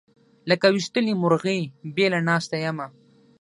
لکه ويشتلې مرغۍ بېله ناسته یمه